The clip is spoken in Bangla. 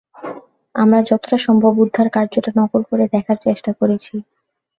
আমরা যতটা সম্ভব উদ্ধারকার্যটা নকল করে দেখার চেষ্টা করেছি।